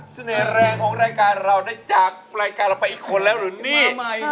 แรงของรายการเราได้จากรายการเราไปอีกคนแล้วหรือนี่